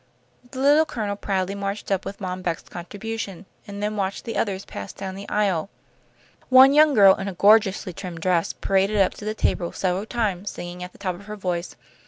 The Little Colonel proudly marched up with Mom Beck's contribution, and then watched the others pass down the aisle. One young girl in a gorgeously trimmed dress paraded up to the table several times, singing at the top of her voice.